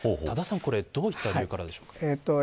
これはどういった理由からでしょうか。